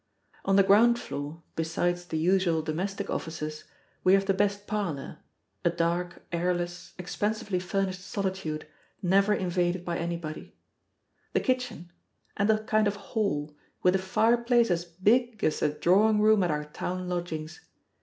On the ground floor, besides the usual domestic offices, we have the best parlor a dark, airless, expensively furnished solitude, never invaded by anybody; the kitchen, and a kind of hall, with a fireplace as big as the drawing room at our town lodgings.